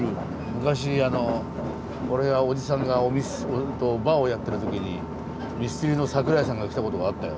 昔俺がおじさんがバーをやってる時にミスチルの桜井さんが来たことがあったよ。